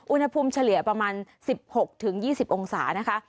อุณหภูมิเฉลี่ยประมาณสิบหกถึงยี่สิบองศานะคะ